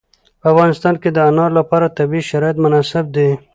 په افغانستان کې د انار لپاره طبیعي شرایط مناسب دي.